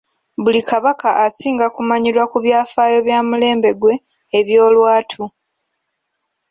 Buli kabaka asinga kumanyirwa ku byafaayo bya mulembe gwe eby'olwatu.